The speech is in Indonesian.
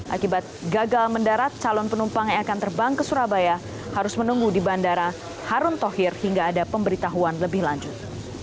akibat gagal mendarat calon penumpang yang akan terbang ke surabaya harus menunggu di bandara harun tohir hingga ada pemberitahuan lebih lanjut